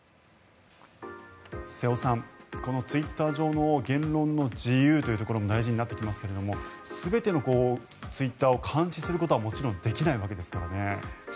瀬尾さん、このツイッター上の言論の自由というところも大事になってきますが全てのツイッターを監視することはもちろんできないわけですからね。